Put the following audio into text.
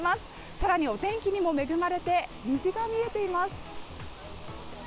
さらにお天気にも恵まれて、虹が見えています。